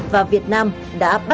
và việt nam đã bắt kịp thời cơ ấy